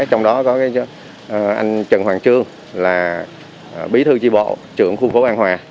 trong đó có anh trần hoàng trương là bí thư tri bộ trưởng khu phố an hòa